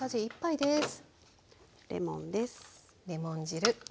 レモンです。